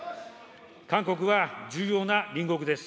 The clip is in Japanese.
韓国は重要な隣国です。